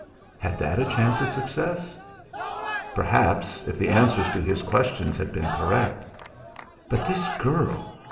Had that a chance of success? Perhaps if the answers to his questions had been correct. But this girl!